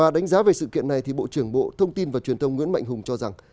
đánh giá về sự kiện này bộ trưởng bộ thông tin và truyền thông nguyễn mạnh hùng cho rằng